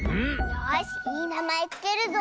よしいいなまえつけるぞ。